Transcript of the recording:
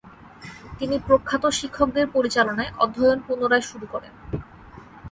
তিনি প্রখ্যাত শিক্ষকদের পরিচালনায় অধ্যয়ন পুনরায় শুরু করেন।